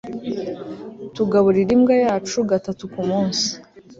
tugaburira imbwa yacu gatatu kumunsi